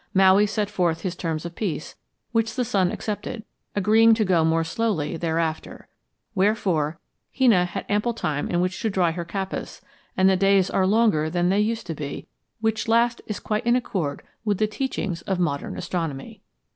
Maui set forth his terms of peace, which the sun accepted, agreeing to go more slowly thereafter. Wherefore Hina had ample time in which to dry her kapas, and the days are longer than they used to be, which last is quite in accord with the teachings of modern astronomy."